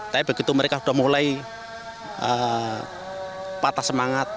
tapi begitu mereka sudah mulai patah semangat